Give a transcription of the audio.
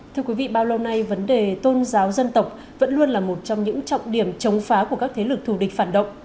thưa quý vị bao lâu nay vấn đề tôn giáo dân tộc vẫn luôn là một trong những trọng điểm chống phá của các thế lực thù địch phản động